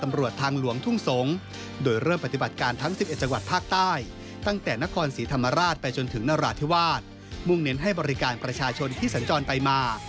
มุ่งเน้นให้บริการประชาชนที่สังกรณ์ไปมา